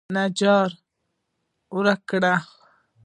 نجات ورکړي.